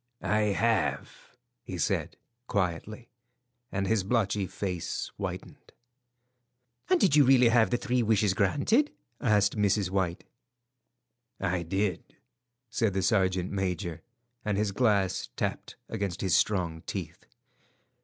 "I have," he said, quietly, and his blotchy face whitened. "And did you really have the three wishes granted?" asked Mrs. White. "I did," said the sergeant major, and his glass tapped against his strong teeth.